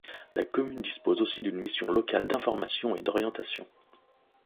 La commune dispose aussi d’une mission locale d’information et d’orientation.